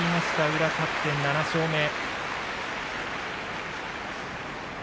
宇良、勝って７勝目。